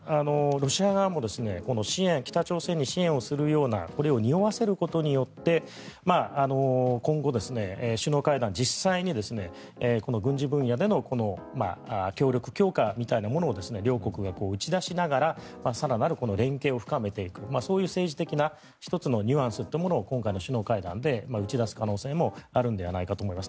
ロシア側も北朝鮮に支援をするようなこれをにおわせることによって今後、首脳会談実際に軍事分野での協力強化みたいなものを両国が打ち出しながら更なる連携を深めていくそういう政治的な１つのニュアンスというものを今回の首脳会談で打ち出す可能性もあるのではないかと思います。